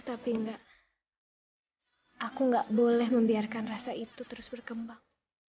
tapi enggak aku nggak boleh membiarkan rasa itu terus berkembang